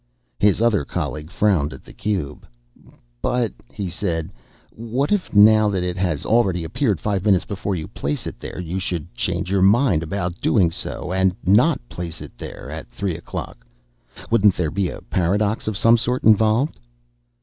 His other colleague frowned at the cube. "But," he said, "what if, now that it has already appeared five minutes before you place it there, you should change your mind about doing so and not place it there at three o'clock? Wouldn't there be a paradox of some sort involved?"